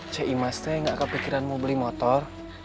cik imastek gak kepikiran mau beli motor